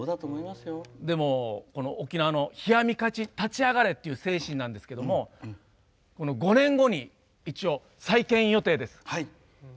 でも、沖縄の立ち上がれっていう精神なんですけれども５年後に一応、再建予定です。